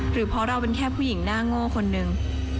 หรือเพราะเราเป็นแค่ผู้หญิงหน้าโง่คนหนึ่ง